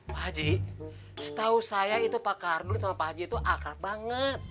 pak haji setahu saya itu pak kardu sama pak haji itu akrab banget